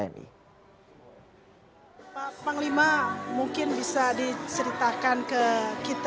panglima mungkin bisa diseritakan ke kita